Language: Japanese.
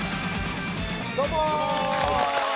どうも！